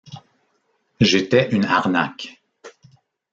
J'étais une arnaque.